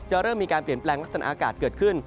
เริ่มมีการเปลี่ยนแปลงลักษณะอากาศเกิดขึ้น